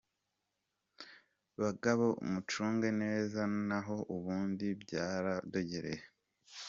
Bagabo mucunge neza naho ubundi byaradogereye.